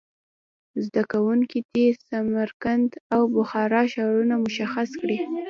زده کوونکي دې سمرقند او بخارا ښارونه مشخص کړي.